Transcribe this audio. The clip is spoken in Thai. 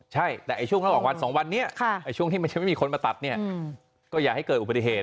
ใช่แต่ช่วงระหว่างวัน๒วันนี้ช่วงที่ไม่มีคนมาตัดเนี่ยก็อย่าให้เกิดอุบัติเหตุ